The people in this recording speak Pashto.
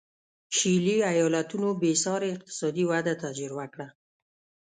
شلي ایالتونو بېسارې اقتصادي وده تجربه کړه.